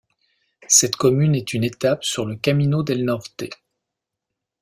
Cette commune est une étape sur le Camino del Norte.